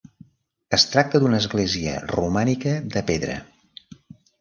Es tracta d'una església romànica de pedra.